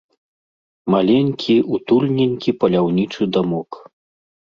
Маленькі, утульненькі паляўнічы дамок.